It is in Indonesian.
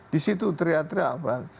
di situ teriak teriak